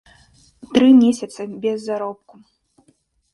Тры месяцы без заробку.